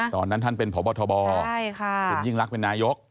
ตอนนั้นท่านเป็นพบทบคุณยิ่งรักเป็นนายก